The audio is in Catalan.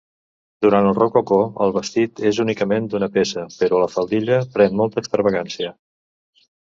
Durant el Rococó el vestit és únicament d'una peça, però la faldilla pren molta extravagància.